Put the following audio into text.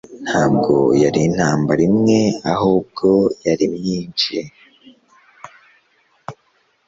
Ntabwo yari intambara imwe ahubwo yari myinshi